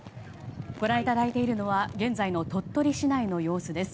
ご覧いただいているのは現在の鳥取市内の様子です。